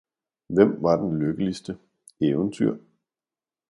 Hvem var den lykkeligste? Eventyr